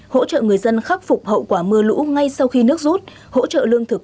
hỗ trợ người dân khắc phục hậu quả mưa lũ ngay sau khi nước rút hỗ trợ lương thực